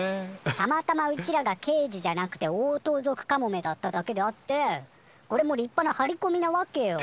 たまたまうちらがけいじじゃなくてオオトウゾクカモメだっただけであってこれも立派な張りこみなわけよ。